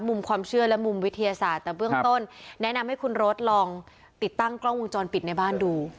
มุมความเชื่อและมุมวิทยาศาสตร์แต่เบื้องต้นแนะนำให้คุณรถลองติดตั้งกล้องวงจรปิดในบ้านดู